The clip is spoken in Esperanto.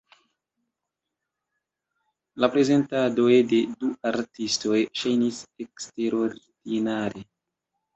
La prezentadoj de du artistoj ŝajnis eksterordinare.